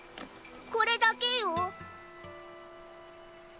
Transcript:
これだけよ。